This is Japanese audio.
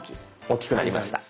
大きくなりました。